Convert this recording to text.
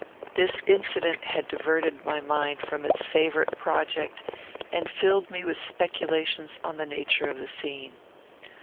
This incident had diverted my mind from its favourite project, and filled me with speculations on the nature of the scene.